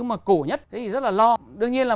mà cổ nhất thì rất là lo đương nhiên là